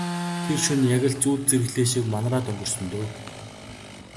Тэр шөнө яг л зүүд зэрэглээ шиг манараад өнгөрсөн дөө.